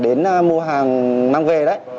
cái người mà đến mua hàng mang về đấy